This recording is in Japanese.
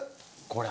これ？